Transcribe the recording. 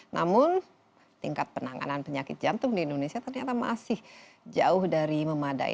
namun tingkat penanganan penyakit jantung di indonesia ternyata masih jauh dari memadai